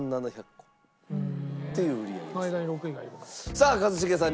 さあ一茂さん